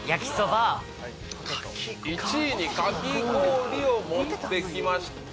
１位にかき氷を持ってきました。